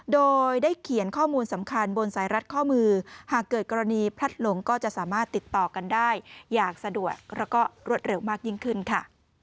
โดยได้เขียนข้อมูลสำคัญบนสายรัดข้อมือหากเกิดกรณีพลัดหลงก็จะสามารถติดต่อกันได้อย่างสะดวกแล้วก็รวดเร็วมากยิ่งขึ้นค่ะ